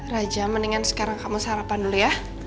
raja mendingan sekarang kamu sarapan dulu ya